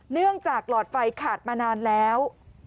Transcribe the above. เนื่องจากหลอดไฟขาดมานานแล้ว